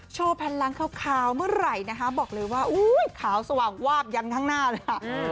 โชว์แผ่นหลังคาวเมื่อไหร่นะฮะบอกเลยว่าขาวสว่างวาบยันทร์ข้างหน้านะฮะ